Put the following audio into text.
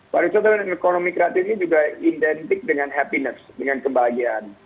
pariwisata dan ekonomi kreatif ini juga identik dengan happiness dengan kebahagiaan